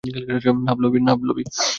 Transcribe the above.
না, ব্লবি।